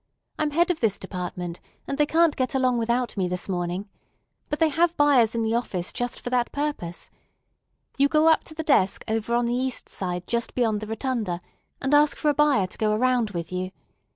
"I'm head of this department, and they can't get along without me this morning. But they have buyers in the office just for that purpose. You go up to the desk over on the east side just beyond the rotunda, and ask for a buyer to go around with you.